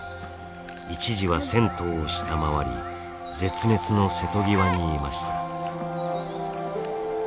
一時は１，０００頭を下回り絶滅の瀬戸際にいました。